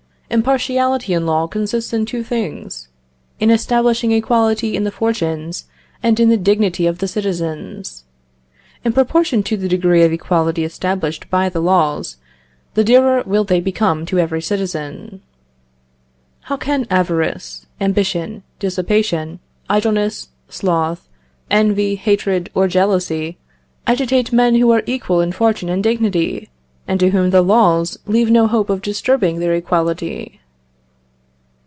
"Impartiality in law consists in two things: in establishing equality in the fortunes and in the dignity of the citizens.... In proportion to the degree of equality established by the laws, the dearer will they become to every citizen.... How can avarice, ambition, dissipation, idleness, sloth, envy, hatred, or jealousy, agitate men who are equal in fortune and dignity, and to whom the laws leave no hope of disturbing their equality?